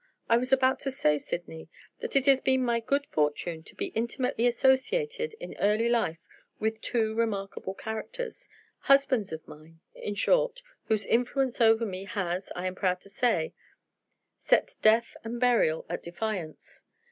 I was about to say, Sydney, that it has been my good fortune to be intimately associated, in early life, with two remarkable characters. Husbands of mine, in short, whose influence over me has, I am proud to say, set death and burial at defiance.